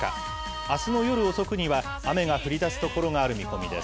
あすの夜遅くには雨が降りだす所がある見込みです。